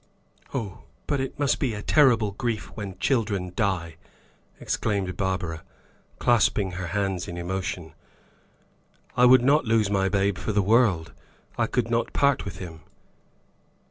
"Oh, but it must be terrible grief when children die!" exclaimed Barbara, clasping her hands in emotion. "I would not lose my babe for the world! I could not part with him."